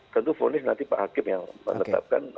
tentu fonis nanti pak hakim yang menetapkan